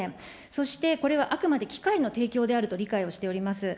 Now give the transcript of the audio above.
そしてこれは、あくまで機会の提供であると理解をしております。